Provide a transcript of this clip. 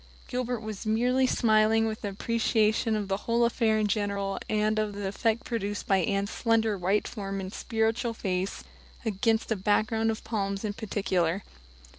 Gilbert was merely smiling with appreciation of the whole affair in general and of the effect produced by Anne's slender white form and spiritual face against a background of palms in particular.